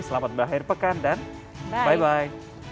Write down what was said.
selamat berakhir pekan dan bye bye